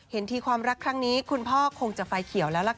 เห็นทีความรักครั้งนี้คุณพ่อคงจะไฟเขียวแล้วล่ะค่ะ